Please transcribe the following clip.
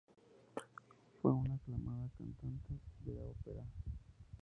Fue una aclamada cantante de ópera.